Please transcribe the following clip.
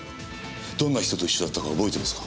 どんな人と一緒だったか覚えてますか？